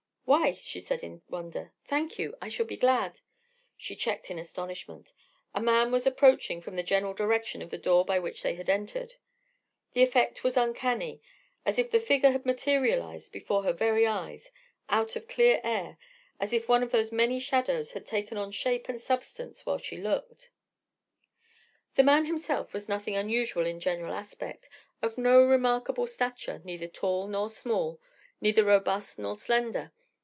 "Why," she said in wonder—"thank you. I shall be glad—" She checked in astonishment: a man was approaching from the general direction of the door by which they had entered. The effect was uncanny, as if the figure had materialized before her very eyes, out of clear air, as if one of those many shadows had taken on shape and substance while she looked. The man himself was nothing unusual in general aspect, of no remarkable stature, neither tall nor small, neither robust nor slender.